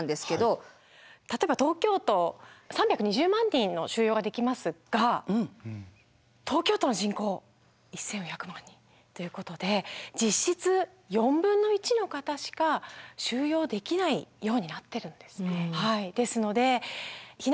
例えば東京都３２０万人の収容ができますが東京都の人口１，４００万人っていうことで実質４分の１の方しか収容できないようになってるんですね。